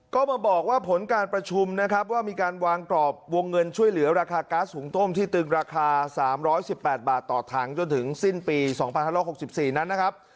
ก็มาบอกว่าผลการประชุมนะครับว่ามีการวางกรอบวงเงินช่วยเหลือราคาก๊าซหุงต้มที่ตึงราคา๓๑๘บาทต่อถังจนถึงสิ้นปี๒๕๖๔นั้นนะครับ